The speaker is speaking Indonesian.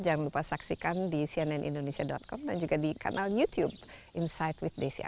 jangan lupa saksikan di cnnindonesia com dan juga di kanal youtube insight with desi anwar